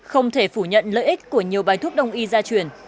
không thể phủ nhận lợi ích của nhiều bài thuốc đông y gia truyền